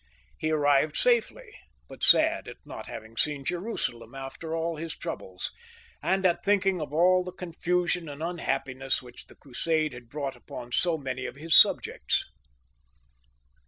He arrived safely, but sad at not having seen Jerusalem after all his troubles, ^nd at thinking of all the confusion and unhappiness which the Crusade had brought upon so many of his subjects.